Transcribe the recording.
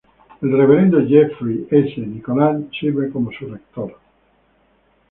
El reverendo Jeffery S. Nicholas sirve como su rector.